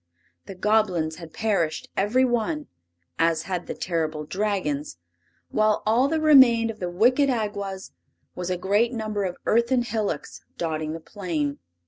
The Goblins had perished every one, as had the terrible Dragons, while all that remained of the wicked Awgwas was a great number of earthen hillocks dotting the plain.